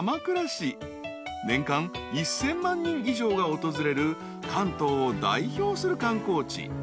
［年間１，０００万人以上が訪れる関東を代表する観光地］